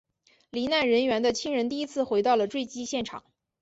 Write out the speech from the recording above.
罹难人员的亲人第一次回到了坠机现场。